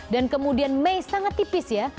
dan kemudian mei sangat tipis ya